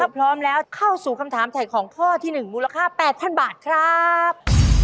พร้อมแล้วเข้าสู่คำถามถ่ายของข้อที่๑มูลค่า๘๐๐๐บาทครับ